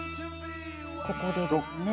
ここでですね。